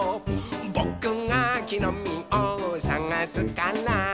「ぼくがきのみをさがすから」